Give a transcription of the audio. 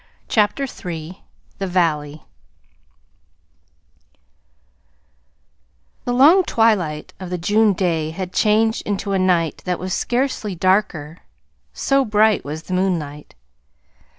CHAPTER III THE VALLEY The long twilight of the June day had changed into a night that was scarcely darker, so bright was the moonlight.